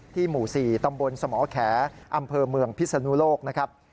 หมู่๔ตำบลสมแขอำเภอเมืองพิศนุโลกนะครับ